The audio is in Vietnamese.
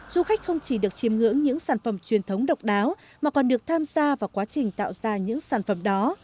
du khách không chỉ được chiêm ngưỡng những sản phẩm truyền thống độc đáo mà còn được tham gia vào quá trình tạo ra những sản phẩm đó